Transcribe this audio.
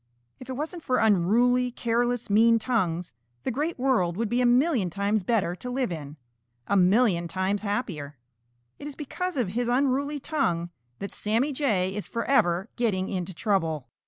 If it wasn't for unruly, careless, mean tongues, the Great World would be a million times better to live in, a million times happier. It is because of his unruly tongue that Sammy Jay is forever getting into trouble.